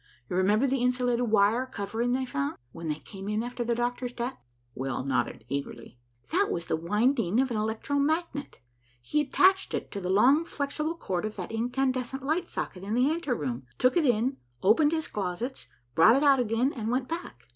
You remember the insulated wire covering they found, when they came in after the doctor's death." We nodded eagerly. "That was the winding of an electro magnet. He attached it to the long flexible cord of that incandescent light socket in the anteroom, took it in, opened his closets, brought it out again, and went back.